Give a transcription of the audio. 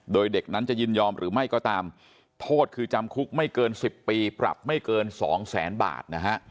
โดยเด็กนั้นจะยินยอมหรือไม่ก็ตามโทษคือจำคุกไม่เกิน๑๐ปีปรับไม่เกินสองแสนบาทนะฮะ